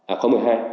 à có một mươi hai